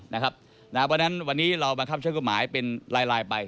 วันนั้นวันนี้เราบังคับช่องกฎหมายเป็นลายไป